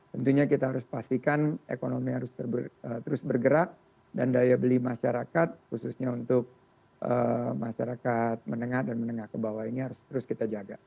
tentunya kita harus pastikan ekonomi harus terus bergerak dan daya beli masyarakat khususnya untuk masyarakat menengah dan menengah ke bawah ini harus terus kita jaga